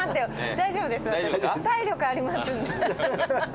大丈夫です私体力ありますんで。